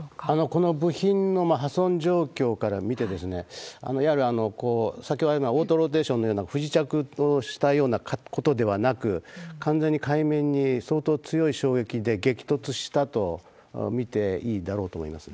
この部品の破損状況から見て、いわゆる、先ほど、オートローテーションのような不時着をしたようなことではなく、完全に海面に相当強い衝撃で激突したと見ていいだろうと思います。